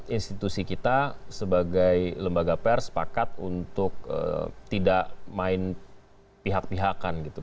institusi kita sebagai lembaga pers sepakat untuk tidak main pihak pihakan gitu